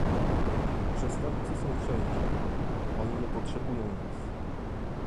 Przestępcy są wszędzie - oni nie potrzebują wiz!